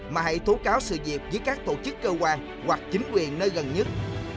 mà hãy thố cáo sự diệp với các tổ chức cơ quan hoặc chính quyền nơi gần nhất